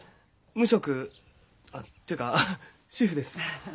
無職あっというか主婦です。